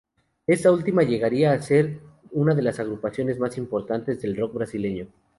Esta última llegaría a ser una de las agrupaciones más importantes del rock brasileño.